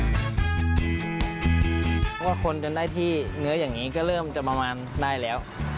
เพราะว่าคนจนได้ที่เนื้ออย่างนี้ก็เริ่มจะประมาณได้แล้ว